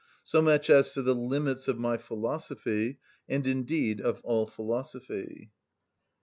So much as to the limits of my philosophy, and indeed of all philosophy.